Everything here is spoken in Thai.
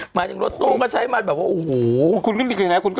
หมายถึงรถตู้ก็ใช้มาแบบว่าโอ้โฮ